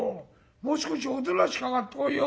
もう少しおとなしく上がってこいよ。